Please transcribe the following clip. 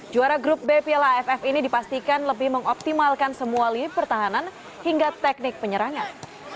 juara grup b piala aff ini dipastikan lebih mengoptimalkan semua lift pertahanan hingga teknik penyerangan